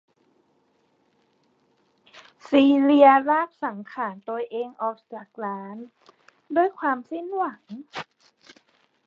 ซีเลียลากสังขาลตัวเองออกจากร้าน ด้วยความสิ้นหวัง